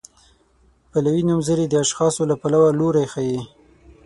پلوي نومځري د اشخاصو له پلوه لوری ښيي.